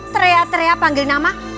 terea terea panggil nama